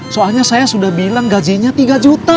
soalnya saya sudah bilang gajinya tiga juta